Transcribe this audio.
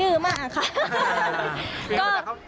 ดื้อมากค่ะ